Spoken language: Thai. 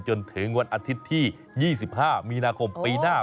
จนถึงวันอาทิตย์ที่๒๕มีนาคมปีหน้า